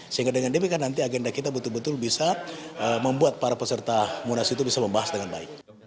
sehingga dengan demikian nanti agenda kita betul betul bisa membuat para peserta munas itu bisa membahas dengan baik